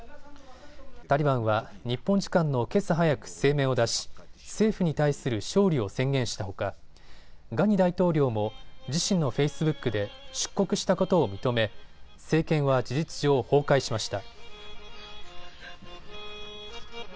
タリバンは日本時間のけさ早く声明を出し政府に対する勝利を宣言したほか、ガニ大統領も自身のフェイスブックで出国したことを認め、政権は事実上、崩壊しました。